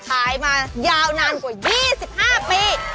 ขายมายาวนานกว่า๒๕ปี